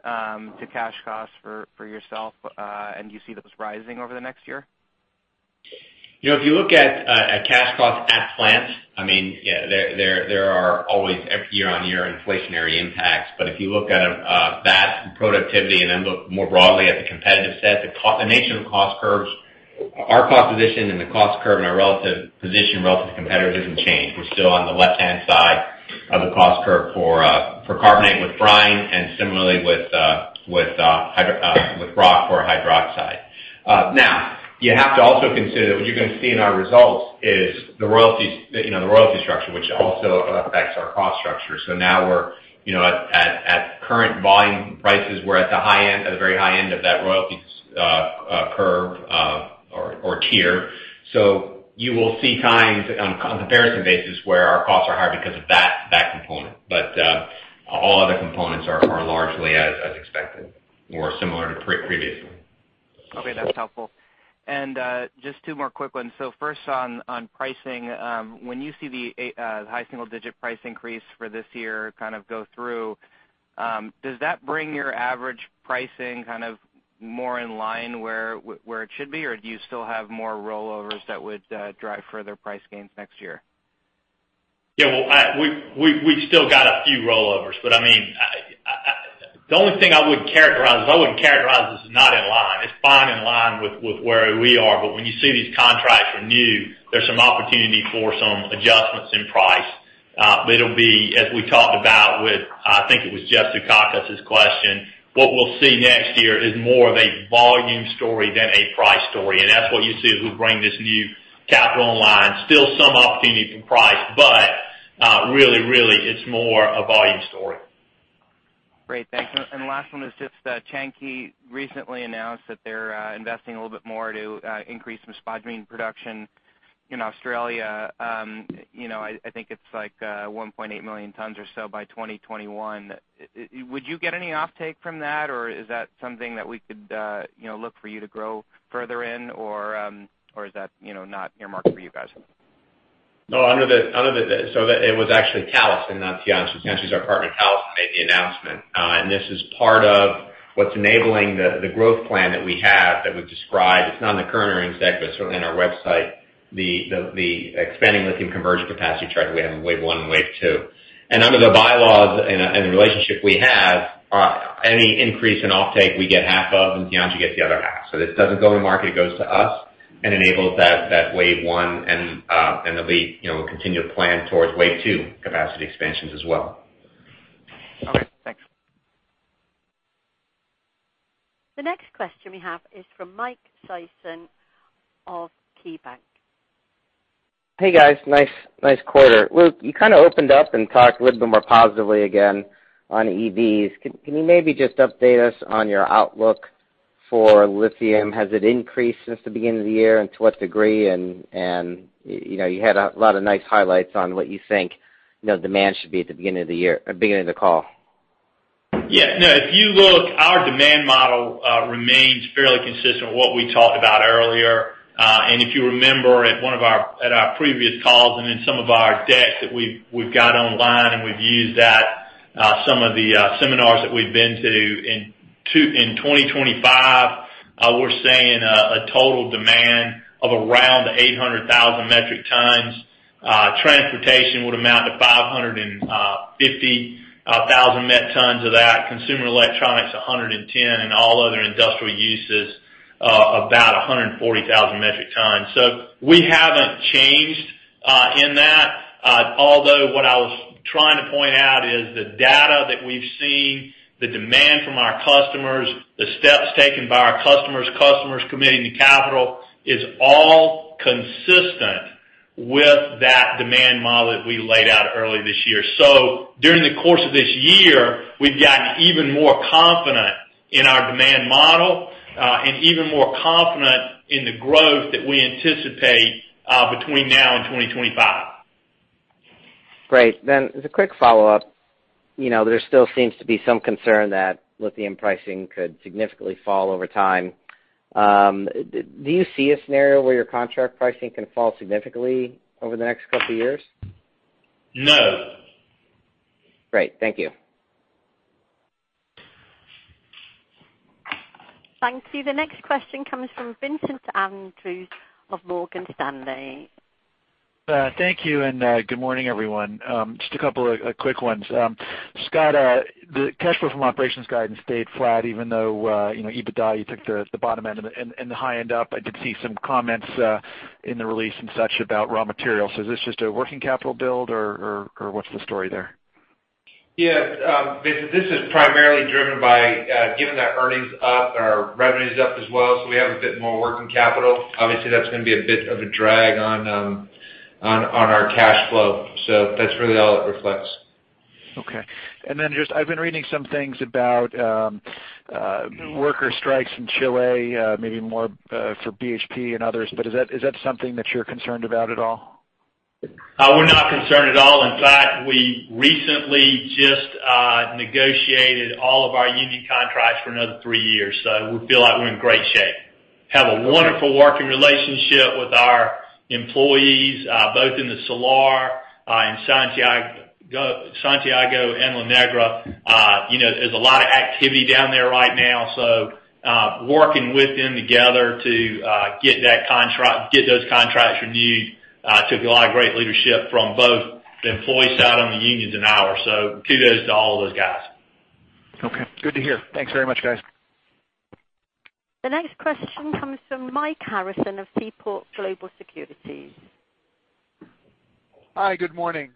to cash costs for yourself, and do you see those rising over the next year? If you look at cash costs at plants, there are always year-on-year inflationary impacts. If you look at a VAT productivity and then look more broadly at the competitive set, [the nation cost curves], our cost position and the cost curve and our relative position relative to competitors hasn't changed. We're still on the left-hand side of the cost curve for carbonate with brine and similarly with rock or hydroxide. You have to also consider that what you're going to see in our results is the royalty structure, which also affects our cost structure. Now at current volume prices, we're at the very high end of that royalty curve or tier. You will see times on a comparison basis where our costs are higher because of that component. All other components are largely as expected or similar to previously. That's helpful. Just two more quick ones. First on pricing. When you see the high single-digit price increase for this year kind of go through, does that bring your average pricing kind of more in line where it should be? Or do you still have more rollovers that would drive further price gains next year? Well, we still got a few rollovers, the only thing I would characterize is I wouldn't characterize this as not in line. It's fine in line with where we are. When you see these contracts renewed, there's some opportunity for some adjustments in price. It'll be, as we talked about with, I think it was Jeff Zekauskas's question, what we'll see next year is more of a volume story than a price story. That's what you see as we bring this new capital online. Still some opportunity from price, but really it's more a volume story. Great. Thanks. The last one is just Tianqi recently announced that they're investing a little bit more to increase some spodumene production in Australia. I think it's like 1.8 million tons or so by 2021. Would you get any offtake from that, or is that something that we could look for you to grow further in, or is that not your market for you guys? No. That it was actually Talison, not Tianqi. Tianqi's our partner. Talison made the announcement. This is part of what's enabling the growth plan that we have that we've described. It's not in the current earnings deck, but it's certainly on our website, the expanding lithium conversion capacity chart that we have in wave 1 and wave 2. Under the bylaws and the relationship we have, any increase in offtake we get half of, and Tianqi gets the other half. This doesn't go to market, it goes to us and enables that wave 1 and the continued plan towards wave 2 capacity expansions as well. Okay, thanks. The next question we have is from Michael Sison of KeyBanc. Hey, guys. Nice quarter. Luke, you kind of opened up and talked a little bit more positively again on EVs. Can you maybe just update us on your outlook for lithium? Has it increased since the beginning of the year, and to what degree? You had a lot of nice highlights on what you think demand should be at the beginning of the call. Yeah. No. If you look, our demand model remains fairly consistent with what we talked about earlier. If you remember at our previous calls and in some of our decks that we've got online, and we've used at some of the seminars that we've been to. In 2025, we're seeing a total demand of around 800,000 metric tons. Transportation would amount to 550,000 met tons of that. Consumer electronics, 110, and all other industrial uses, about 140,000 metric tons. We haven't changed in that. Although what I was trying to point out is the data that we've seen, the demand from our customers, the steps taken by our customers committing to capital is all consistent with that demand model that we laid out early this year. During the course of this year, we've gotten even more confident in our demand model, and even more confident in the growth that we anticipate between now and 2025. Great. As a quick follow-up, there still seems to be some concern that lithium pricing could significantly fall over time. Do you see a scenario where your contract pricing can fall significantly over the next couple of years? No. Great. Thank you. Thank you. The next question comes from Vincent Andrews of Morgan Stanley. Thank you, good morning, everyone. Just a couple of quick ones. Scott, the cash flow from operations guidance stayed flat even though EBITDA, you took the bottom end and the high end up. I did see some comments in the release and such about raw materials. Is this just a working capital build, or what's the story there? Vincent, this is primarily driven by, given that earnings up, our revenue's up as well, so we have a bit more working capital. Obviously, that's going to be a bit of a drag on our cash flow. That's really all it reflects. Okay. Just, I've been reading some things about worker strikes in Chile, maybe more for BHP and others, is that something that you're concerned about at all? We're not concerned at all. In fact, we recently just negotiated all of our union contracts for another three years. We feel like we're in great shape. Have a wonderful working relationship with our employees, both in the Salar, in Santiago, and La Negra. There's a lot of activity down there right now. Working with them together to get those contracts renewed took a lot of great leadership from both the employee side on the unions and ours. Kudos to all those guys. Okay, good to hear. Thanks very much, guys. The next question comes from Michael Harrison of Seaport Global Securities. Hi, good morning.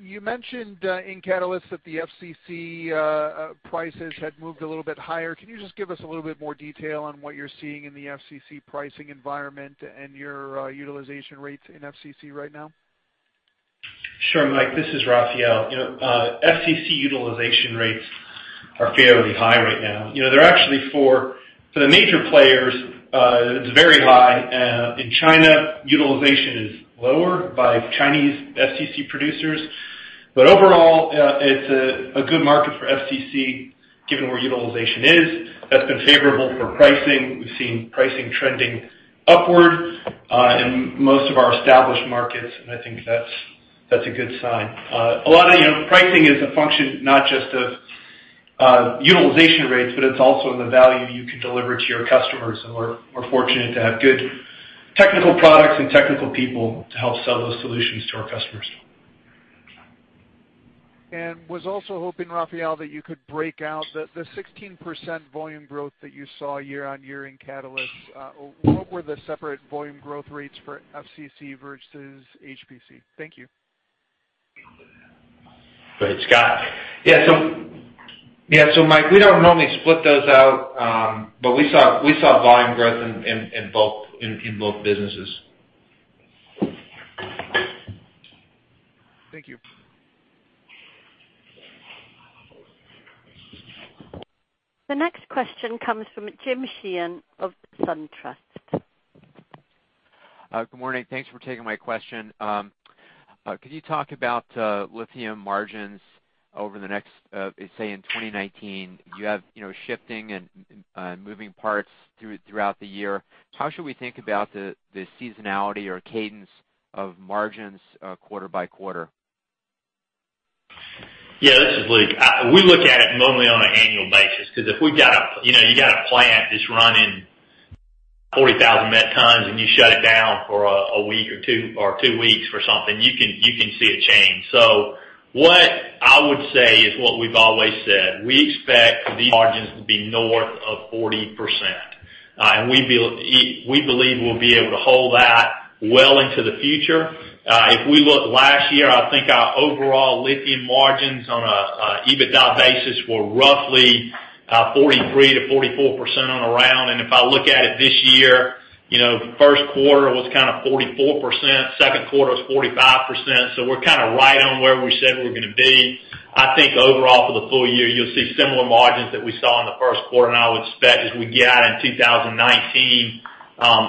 You mentioned in Catalysts that the FCC prices had moved a little bit higher. Can you just give us a little bit more detail on what you're seeing in the FCC pricing environment and your utilization rates in FCC right now? Sure, Mike. This is Raphael. FCC utilization rates are fairly high right now. They're actually for the major players China utilization is lower by Chinese FCC producers. Overall, it's a good market for FCC given where utilization is. That's been favorable for pricing. We've seen pricing trending upward in most of our established markets, and I think that's a good sign. A lot of pricing is a function not just of utilization rates, but it's also in the value you can deliver to your customers, and we're fortunate to have good technical products and technical people to help sell those solutions to our customers. I was also hoping, Raphael, that you could break out the 16% volume growth that you saw year-over-year in Catalysts. What were the separate volume growth rates for FCC versus HPC? Thank you. Great, Scott. Mike, we don't normally split those out, but we saw volume growth in both businesses. Thank you. The next question comes from James Sheehan of SunTrust. Good morning. Thanks for taking my question. Could you talk about lithium margins over the next, say, in 2019? You have shifting and moving parts throughout the year. How should we think about the seasonality or cadence of margins quarter by quarter? Yeah, this is Luke. We look at it normally on an annual basis, because if you got a plant that's running 40,000 met tons and you shut it down for a week or two weeks for something, you can see a change. What I would say is what we've always said. We expect the margins to be north of 40%. We believe we'll be able to hold that well into the future. If we look last year, I think our overall lithium margins on an EBITDA basis were roughly 43%-44% on a round. If I look at it this year, the first quarter was kind of 44%, second quarter was 45%. We're kind of right on where we said we were going to be. I think overall for the full year, you'll see similar margins that we saw in the first quarter. I would expect as we get out in 2019,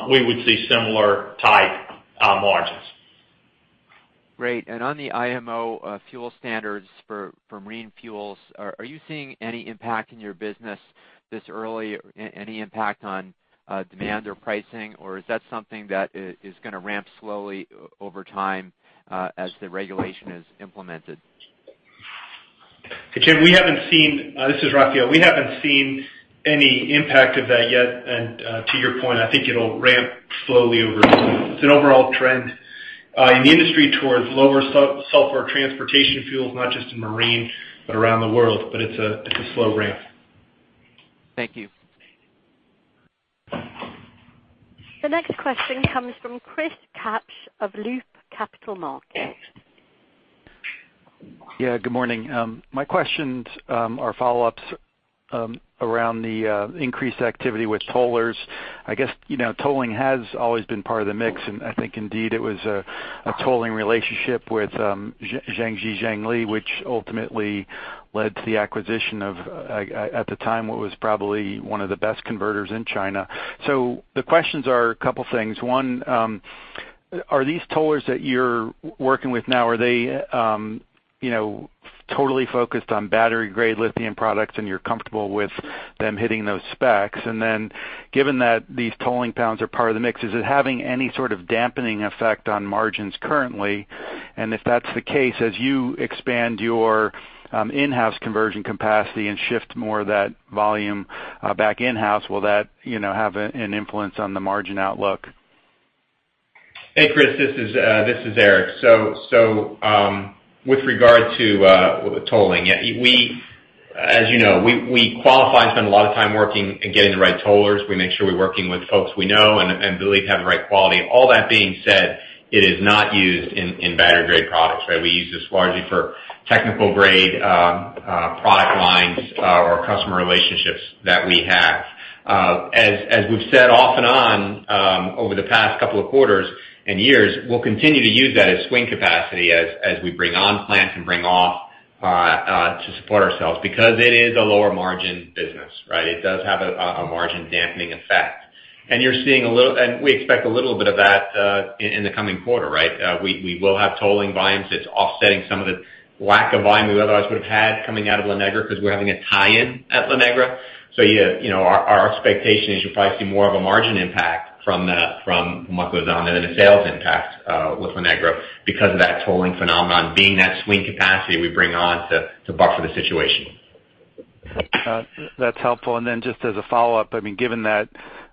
we would see similar type margins. Great. On the IMO fuel standards for marine fuels, are you seeing any impact in your business this early, any impact on demand or pricing? Is that something that is going to ramp slowly over time as the regulation is implemented? Hey, Jim, this is Raphael. We haven't seen any impact of that yet. To your point, I think it'll ramp slowly over time. It's an overall trend in the industry towards lower sulfur transportation fuels, not just in marine, but around the world, but it's a slow ramp. Thank you. The next question comes from Chris Kapsch of Loop Capital Markets. Good morning. My questions are follow-ups around the increased activity with tollers. I guess tolling has always been part of the mix, and I think indeed it was a tolling relationship with Jiangxi Jiangli, which ultimately led to the acquisition of, at the time, what was probably one of the best converters in China. The questions are a couple things. One, are these tollers that you're working with now, are they totally focused on battery-grade lithium products, and you're comfortable with them hitting those specs? Given that these tolling pounds are part of the mix, is it having any sort of dampening effect on margins currently? If that's the case, as you expand your in-house conversion capacity and shift more of that volume back in-house, will that have an influence on the margin outlook? Hey, Chris, this is Eric. With regard to tolling, as you know, we qualify and spend a lot of time working and getting the right tollers. We make sure we're working with folks we know and believe have the right quality. All that being said, it is not used in battery-grade products. We use this largely for technical-grade product lines or customer relationships that we have. As we've said off and on over the past couple of quarters and years, we'll continue to use that as swing capacity as we bring on plants and bring off to support ourselves because it is a lower margin business. It does have a margin dampening effect. We expect a little bit of that in the coming quarter. We will have tolling volumes that's offsetting some of the lack of volume we otherwise would have had coming out of La Negra because we're having a tie-in at La Negra. Our expectation is you'll probably see more of a margin impact from what goes on than a sales impact with La Negra because of that tolling phenomenon being that swing capacity we bring on to buffer the situation. That's helpful. Just as a follow-up, given that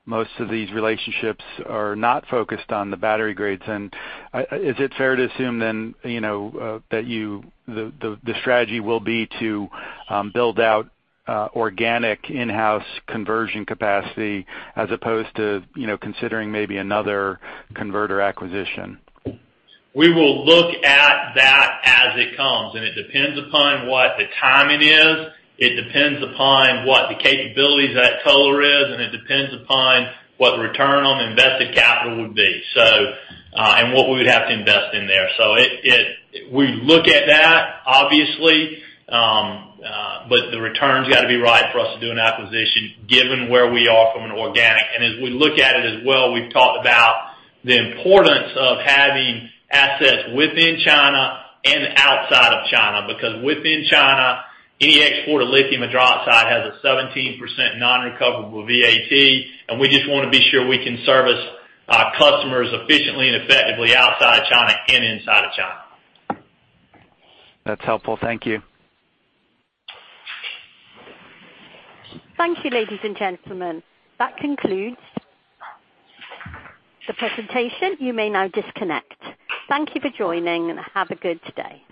most of these relationships are not focused on the battery grades, is it fair to assume then that the strategy will be to build out organic in-house conversion capacity as opposed to considering maybe another converter acquisition? We will look at that as it comes. It depends upon what the timing is. It depends upon what the capabilities of that toller is. What the return on invested capital would be. What we would have to invest in there. We look at that, obviously, but the return's got to be right for us to do an acquisition given where we are from an organic. As we look at it as well, we've talked about the importance of having assets within China and outside of China, because within China, any export of lithium hydroxide has a 17% non-recoverable VAT. We just want to be sure we can service our customers efficiently and effectively outside of China and inside of China. That's helpful. Thank you. Thank you, ladies and gentlemen. That concludes the presentation. You may now disconnect. Thank you for joining, and have a good day.